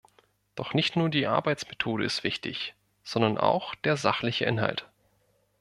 Doch nicht nur die Arbeitsmethode ist wichtig, sondern auch der sachliche Inhalt.